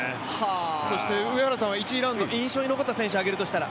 上原さんは１次ラウンド、印象に残ってる選手を挙げるとしたら？